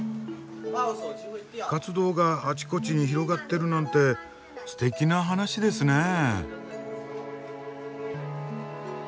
活動があちこちに広がってるなんてすてきな話ですねえ。